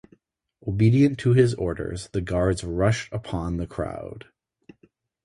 Obedient to his orders, the guards rushed upon the crowd.